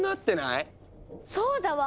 そうだわ！